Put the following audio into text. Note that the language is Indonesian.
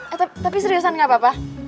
eh tapi seriusan gapapa